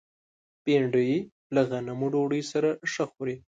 بېنډۍ له غنمو ډوډۍ سره ښه خوري